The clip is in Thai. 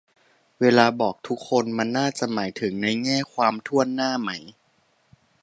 เวลาบอก "ทุกคน" มันน่าจะหมายถึงในแง่ความถ้วนหน้าไหม